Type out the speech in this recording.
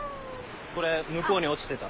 これ向こうに落ちてた。